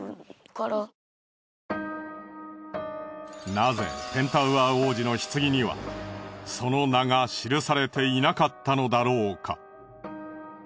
なぜペンタウアー王子の棺にはその名が記されていなかったのだろうか？